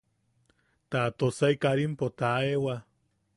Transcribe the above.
Ta Tosai Karimpo taʼewa.